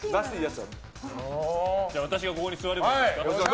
私がここに座ればいいですか。